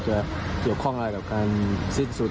จะเกี่ยวข้องรายของการซีรีสุทธิ์